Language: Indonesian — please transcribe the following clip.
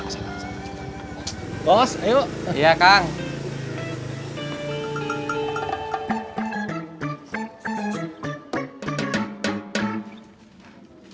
jalan jalan jalan